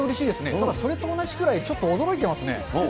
ただ、それと同じくらいちょっと驚いてますね。